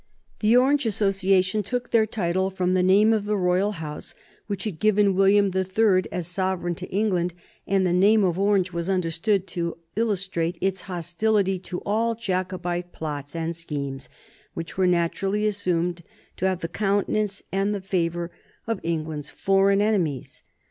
The Orange associations took their title from the name of the royal house which had given William the Third as a sovereign to England, and the name of Orange was understood to illustrate its hostility to all Jacobite plots and schemes, which were naturally assumed to have the countenance and the favor of England's foreign enemies.